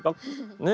ねえ。